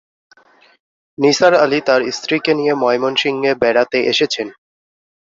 নিসার আলি তাঁর স্ত্রীকে নিয়ে ময়মনসিংহে বেড়াতে এসেছেন।